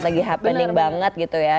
lagi happening banget gitu ya